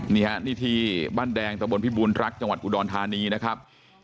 นี่ฮะนี่ที่บ้านแดงตะบนพิบูรณรักจังหวัดอุดรธานีนะครับ